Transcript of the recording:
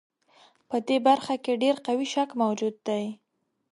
په دې برخه کې ډېر قوي شک موجود دی.